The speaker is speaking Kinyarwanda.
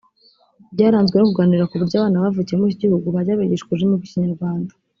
byaranzwe no kuganira ku buryo abana bavukiye muri iki gihugu bajya bigishwa ururimi rw’ikinyarwanda